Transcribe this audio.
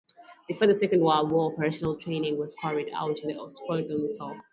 Before the Second World War, operational training was carried out in the squadron itself.